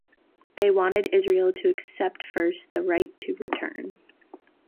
They wanted Israel to accept first the "right to return".